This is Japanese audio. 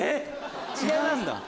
違うんだ。